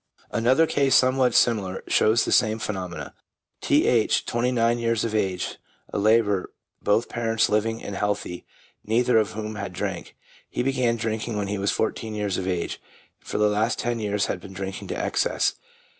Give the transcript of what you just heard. Another case, somewhat similar, shows the same phenomenon. T. H., twenty nine years of age, a labourer, both parents living and healthy, neither of whom had drank. He began drinking when fourteen years of age, and for the last ten years had been drinking to excess.